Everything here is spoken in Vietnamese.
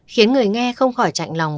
khiến người nghe không khỏi chạnh lòng